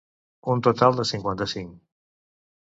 Un total de cinquanta-cinc.